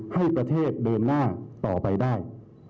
ให้ประเทศเดินหน้าต่อไปได้